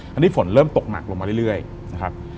อันนี้ฝนเริ่มตกหนักลงมาเรื่อยนะครับ